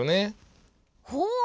ほう！